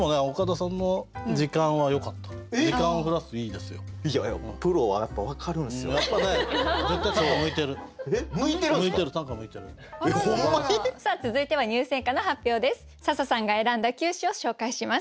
さあ続いては入選歌の発表です。